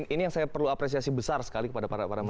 ini yang saya perlu apresiasi besar sekali kepada para masyarakat